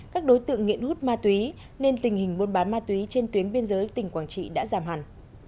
các đối tượng nghiện hút ma túy nên tình hình buôn bán ma túy trên tuyến biên giới tỉnh quảng trị đã giảm hẳn